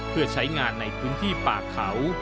เพื่อใช้งานในพื้นที่ป่าเขา